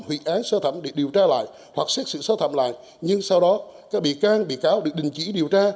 huy án sơ thẩm để điều tra lại hoặc xét xử sơ thẩm lại nhưng sau đó các bị can bị cáo được đình chỉ điều tra